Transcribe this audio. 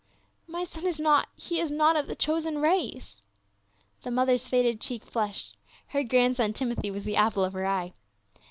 " My son is not — he is not of the chosen race." The mother's faded cheek flushed. Her grandson, Timothy, was as the apple of her eye.